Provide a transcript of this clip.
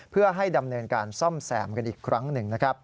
เพื่อให้ดำเนินการซ่อมแซมกันอีกครั้งหนึ่งนะครับ